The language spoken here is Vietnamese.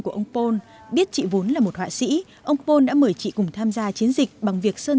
của ông pol biết chị vốn là một họa sĩ ông pom đã mời chị cùng tham gia chiến dịch bằng việc sơn